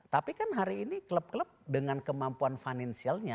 tapi kan hari ini klub klub dengan kemampuan fun in the club